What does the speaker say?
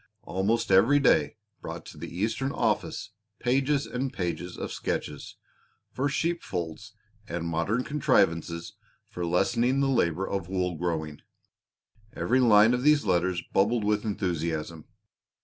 Almost every day brought to the Eastern office pages and pages of sketches for sheep folds and modern contrivances for lessening the labor of wool growing. Every line of these letters bubbled with enthusiasm.